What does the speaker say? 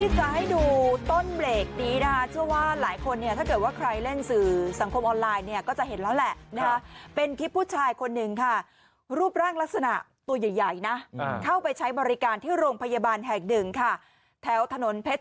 จะให้ดูต้นเบรกนี้นะคะเชื่อว่าหลายคนเนี่ยถ้าเกิดว่าใครเล่นสื่อสังคมออนไลน์เนี่ยก็จะเห็นแล้วแหละนะคะเป็นคลิปผู้ชายคนหนึ่งค่ะรูปร่างลักษณะตัวใหญ่นะเข้าไปใช้บริการที่โรงพยาบาลแห่งหนึ่งค่ะแถวถนนเพชร